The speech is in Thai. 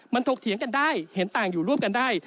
มันถกเถียงกันได้เห็นต่างอยู่ร่วมกันได้